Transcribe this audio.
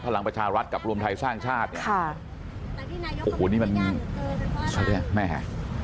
พลังประชารัฐกับรวมไทยสร้างชาติโอ้โฮนี่มันใช่ไหมแม่